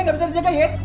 gak bisa dijaga ya